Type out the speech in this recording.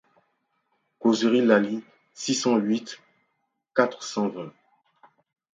Causeries Laly six cent huit quatre cent vingt.